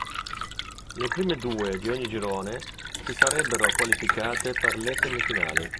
Le prime due di ogni girone si sarebbero qualificate per le semifinali.